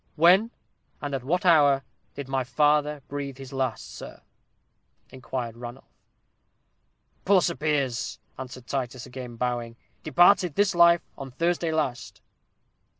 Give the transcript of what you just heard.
"When, and at what hour, did my father breathe his last, sir?" inquired Ranulph. "Poor Sir Piers," answered Titus, again bowing, "departed this life on Thursday last."